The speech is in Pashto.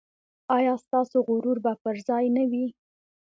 ایا ستاسو غرور به پر ځای نه وي؟